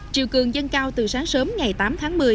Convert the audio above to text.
triều cường dân cao từ sáng sớm ngày tám tháng một mươi